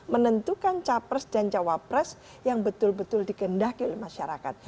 menentukan capres dan cawapres yang betul betul dikendaki oleh masyarakat